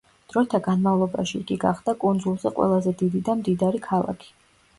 დროთა განმავლობაში იგი გახდა კუნძულზე ყველაზე დიდი და მდიდარი ქალაქი.